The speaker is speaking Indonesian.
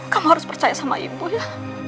kamu harus percaya sama ibu ya